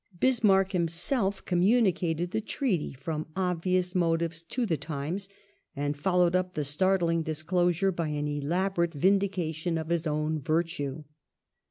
Bismarck himself communicated the Treaty, from obvious motives, to The Times, and followed up the startling disclosure by an elaborate vindication of his own virtue.